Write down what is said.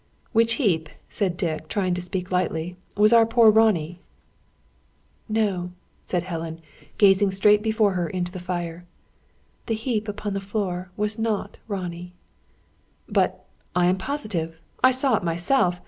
"Which heap," said Dick, trying to speak lightly, "was our poor Ronnie." "No," said Helen, gazing straight before her into the fire, "the heap upon the floor was not Ronnie." "But I am positive! I saw it myself!